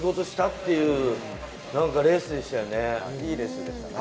いいレースでしたね。